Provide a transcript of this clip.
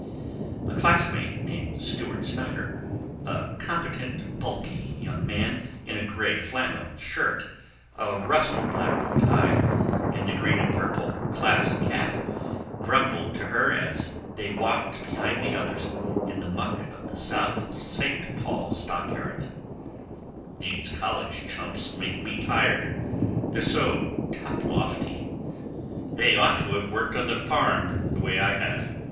A classmate named Stewart Snyder, a competent bulky young man in a gray flannel shirt, a rusty black bow tie, and the green and purple class cap, grumbled to her as they walked behind the others in the muck of the South St. Paul stockyards, "These college chumps make me tired. They're so top lofty. They ought to of worked on the farm, the way I have.